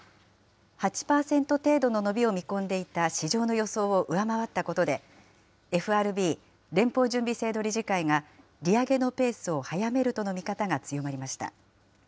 ８％程度の伸びを見込んでいた市場の予想を上回ったことで、ＦＲＢ・連邦準備制度理事会が、利上げのペースを速めるとの見方が強まりました。